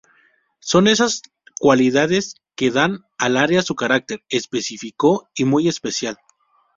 Son esas cualidades que dan al área su carácter específico y muy especial.